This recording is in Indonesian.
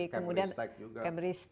kemudian cambridge tech juga